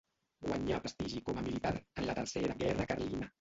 Guanyà prestigi com a militar en la Tercera Guerra Carlina.